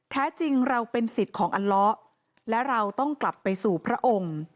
แท้จริงเราเป็นสิทธิ์ของอัลละและเราต้องกลับไปสู่พระองค์